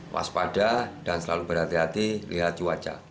waspada dan selalu berhati hati lihat cuaca